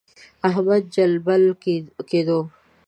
احمد جلبل کېدو.